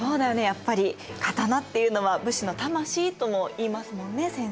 やっぱり刀っていうのは武士の魂ともいいますもんね先生。